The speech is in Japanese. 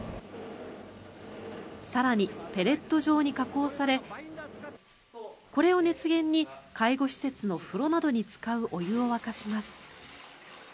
更にペレット状に加工されこれを熱源に介護施設の風呂などに使うお湯を沸かします。